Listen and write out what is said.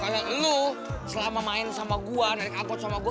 kalau lo selama main sama gue narik angkot sama gue